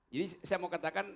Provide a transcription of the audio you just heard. jadi saya mau katakan